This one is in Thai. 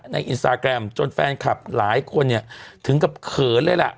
ในจนแฟนคลับหลายควรเนี้ยถึงกับเขินเลยหล่ะ